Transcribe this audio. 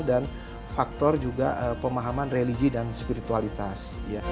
dan faktor juga pemahaman religi dan spiritualitas